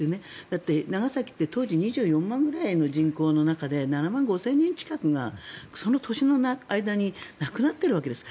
だって長崎って当時２４万ぐらいの人口の中で７万５０００人近くがその年の間に亡くなってるわけです。